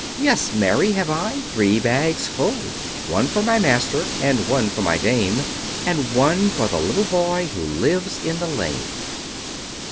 Yes, marry, have I, Three bags full; One for my master, And one for my dame, And one for the little boy Who lives in the lane.